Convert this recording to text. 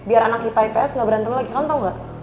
ips gak berantem lagi kalian tau gak